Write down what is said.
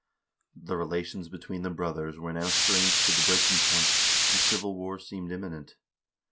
The relations between the brothers were now strained to the breaking point, and civil war seemed imminent.